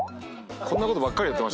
こんなことばっかりやってた。